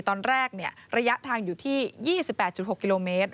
ระยะทางอยู่ที่๒๘๖กิโลเมตร